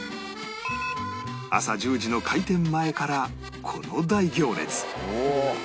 朝１０時の開店前からこの大行列